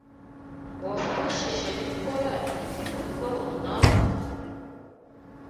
Wafashije gukora ibicuruzwa runaka?